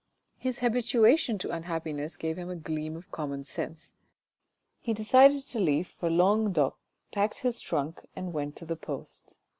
His habituation to unhappiness gave him a gleam of common sense, he decided to leave for Languedoc, packed his trunk and went to the post.